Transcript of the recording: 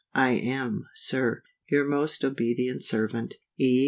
I am, SIR, your most obedient servant, E.